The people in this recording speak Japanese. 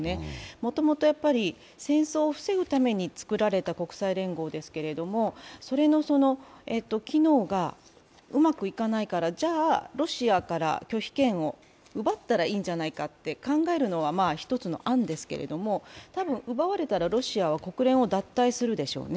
もともと、やはり戦争を防ぐために作られた国際連合ですけれども、その機能がうまくいかないからじゃあロシアから拒否権を奪ったらいいんじゃないかと考えるのは一つの案ですけど、多分奪われたらロシアは国連を脱退するでしょうね。